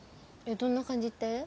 「どんな感じ」って？